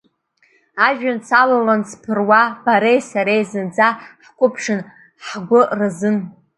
Ажәҩан салалон сԥыруа, бареи сареи зынӡа ҳқәыԥшын, ҳгәы разын.